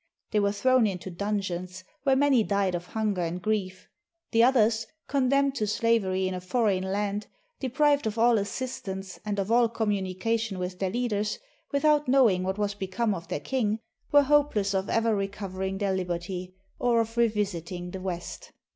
They were thrown into dungeons, where many died of hunger and grief; the others, condemned to slavery in a foreign land, de prived of all assistance and of all commimication with their leaders, without knowing what was become of their king, were hopeless of ever recovering their liberty, or of revisiting the West.